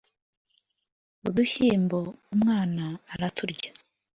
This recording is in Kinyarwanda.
udushyimbo umwana araturya